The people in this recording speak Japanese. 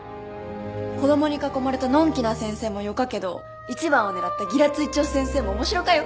子供に囲まれたのんきな先生もよかけど１番を狙ったギラついちょ先生も面白かよ。